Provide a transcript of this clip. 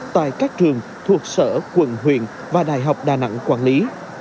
tại các trường thuộc sở quận huyện và đại học đà nẵng quản lý